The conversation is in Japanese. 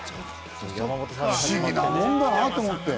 不思議なもんだなと思って。